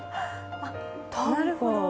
あっ、なるほど。